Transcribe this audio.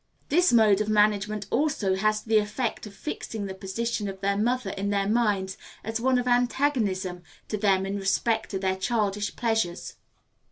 This mode of management, also, has the effect of fixing the position of their mother in their minds as one of antagonism to them in respect to their childish pleasures.